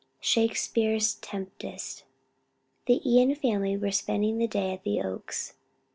SHAKESPEARE'S TEMPEST. The Ion family were spending the day at the Oaks.